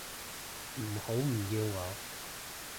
唔好唔要我